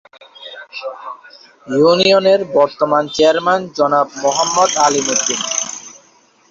ইউনিয়নের বর্তমান চেয়ারম্যান জনাব মোহাম্মদ আলীম উদ্দীন।